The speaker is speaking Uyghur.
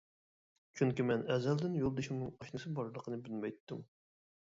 چۈنكى مەن ئەزەلدىن يولدىشىمنىڭ ئاشنىسى بارلىقىنى بىلمەيتتىم.